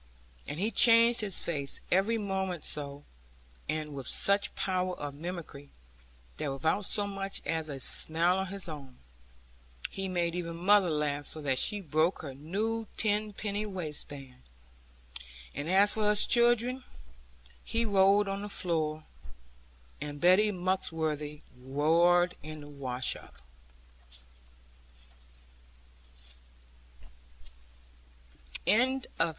And he changed his face every moment so, and with such power of mimicry that without so much as a smile of his own, he made even mother laugh so that she broke her new tenpenny waistband; and as for us children, we rolled on the floor, and Betty Muxworthy roared in the wash up.